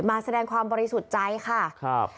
แสดงความบริสุทธิ์ใจค่ะครับ